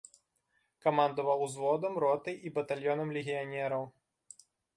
Камандаваў узводам, ротай і батальёнам легіянераў.